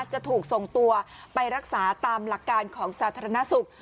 จะถูกส่งตัวไปรักษาตามหลักการของสาธารณสุข